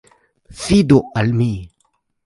Fidu al mi!